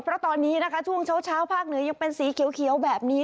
เพราะตอนนี้นะคะช่วงเช้าภาคเหนือยังเป็นสีเขียวแบบนี้